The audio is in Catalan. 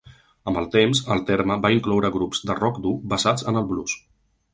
Amb el temps, el terme va incloure grups de rock dur basats en el blues.